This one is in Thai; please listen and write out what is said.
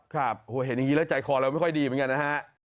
โหเห็นอย่างนี้แล้วใจคอเราไม่ค่อยดีเหมือนกันนะฮะ